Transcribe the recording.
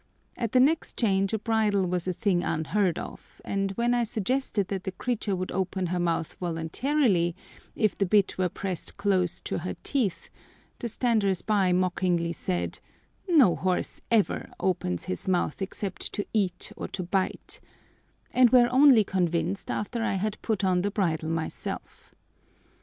At the next change a bridle was a thing unheard of, and when I suggested that the creature would open her mouth voluntarily if the bit were pressed close to her teeth, the standers by mockingly said, "No horse ever opens his mouth except to eat or to bite," and were only convinced after I had put on the bridle myself.